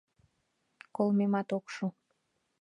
— Колмемат ок шу...